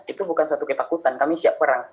itu bukan satu ketakutan kami siap perang